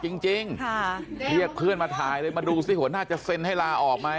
จริงจริงค่ะเรียกเพื่อนมาถ่ายเลยมาดูสิหัวหน้าจะเซ็นให้ลาออกไหม